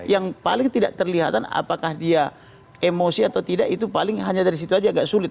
yang paling tidak terlihat apakah dia emosi atau tidak itu paling hanya dari situ aja agak sulit